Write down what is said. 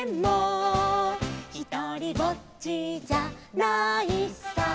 「ひとりぼっちじゃないさ」